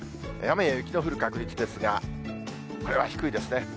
雨や雪の降る確率ですが、これは低いですね。